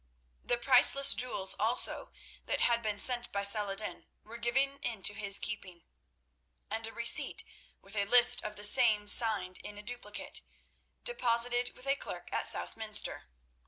The priceless jewels also that had been sent by Saladin were given into his keeping, and a receipt with a list of the same signed in duplicate, deposited with a clerk at Southminster.